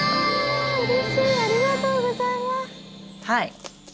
はい。